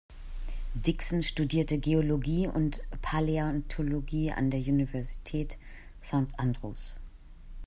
Dixon studierte Geologie und Paläontologie an der Universität St Andrews.